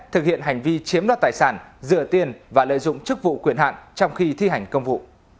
thực hiện hành vi chiếm đoạt tài sản rửa tiền và lợi dụng chức vụ quyền hạn trong khi thi hành công vụ